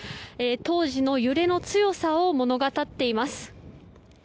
当時の揺れの強さを物語っています。